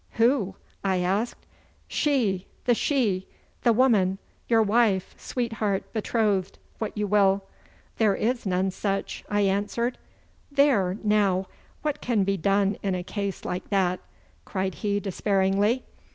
Who?' I asked. 'She. The she. The woman. Your wife, sweetheart, betrothed, what you will.' 'There is none such,' I answered. 'There now! What can be done in a case like that?' cried he despairingly.